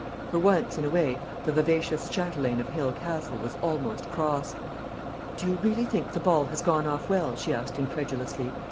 For once in a way, the vivacious châtelaine of Hale Castle was almost cross. "Do you really think the ball has gone off well?" she asked incredulously.